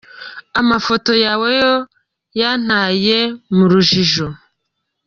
Amafoto yawe yo yantaye mu rujijo.